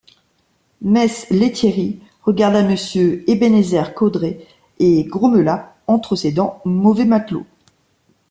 Mess Lethierry regarda Monsieur Ebenezer Caudray et grommela entre ses dents: mauvais matelot.